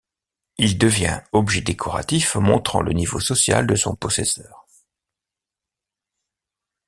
Il devient objet décoratif montrant le niveau social de son possesseur.